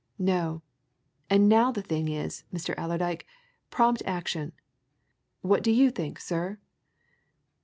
No and now the thing is, Mr. Allerdyke prompt action! What do you think, sir?"